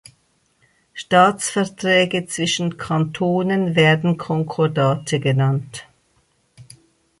Staatsverträge zwischen Kantonen werden "Konkordate" genannt.